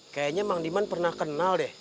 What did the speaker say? kayaknya bang diman pernah kenal deh